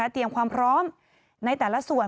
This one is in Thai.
เตรียมความพร้อมในแต่ละส่วน